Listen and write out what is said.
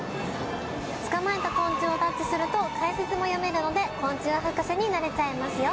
捕まえた昆虫をタッチすると解説も読めるので昆虫博士になれちゃいますよ。